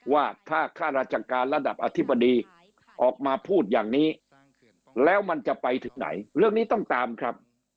ว่าถ้าข้าราชการระดับอธิบดีออกมาพูดอย่างนี้แล้วมันจะไปถึงไหนเรื่องนี้ต้องตามครับ